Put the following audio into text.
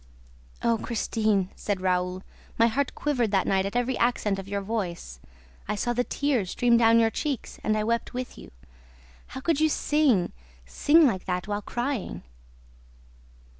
"Oh, Christine," said Raoul, "my heart quivered that night at every accent of your voice. I saw the tears stream down your cheeks and I wept with you. How could you sing, sing like that while crying?"